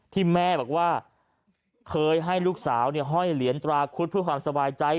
ที่แม่บอกว่าเคยให้ลูกสาวห้อยเหรียญตราคุดเพื่อความสบายใจ